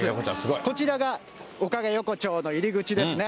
こちらがおかげ横丁の入り口ですね。